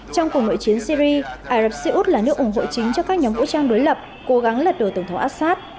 trong cùng nội chiến syri ả rập xê út là nước ủng hộ chính cho các nhóm vũ trang đối lập cố gắng lật đổ tổng thống assad